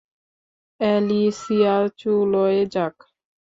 Alicia চুলোয় যাক।